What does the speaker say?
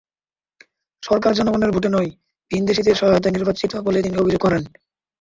সরকার জনগণের ভোটে নয়, ভিন দেশিদের সহায়তায় নির্বাচিত বলে তিনি অভিযোগ করেন।